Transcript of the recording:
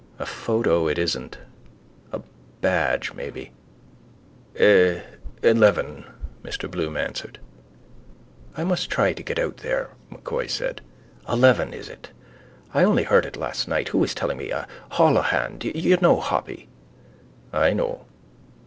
A photo it isn't. A badge maybe. —E...eleven, Mr Bloom answered. —I must try to get out there, M'Coy said. Eleven, is it? I only heard it last night. Who was telling me? Holohan. You know Hoppy? —I know.